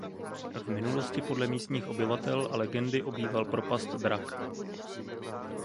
V minulosti podle místních obyvatel a legendy obýval propast drak.